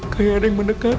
kaya ada yang mendekat